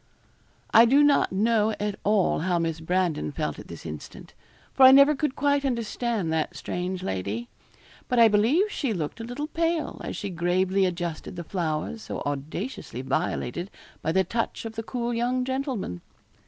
I do not know at all how Miss Brandon felt at this instant; for I never could quite understand that strange lady. But I believe she looked a little pale as she gravely adjusted the flowers so audaciously violated by the touch of the cool young gentleman.